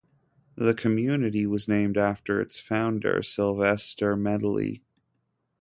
The community was named after its founder, Sylvester Medley.